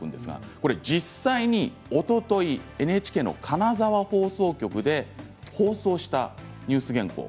これ実際におとといＮＨＫの金沢放送局で放送したニュース原稿